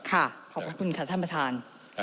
ค่ะขอบคุณค่ะท่านประธาน